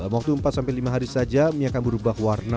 waktu empat sampai lima hari saja mie akan berubah warna